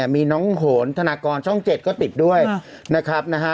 มีน้องโหนธนากรช่อง๗ก็ติดด้วยนะครับนะฮะ